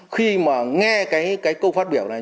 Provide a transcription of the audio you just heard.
khi mà nghe cái câu phát biểu này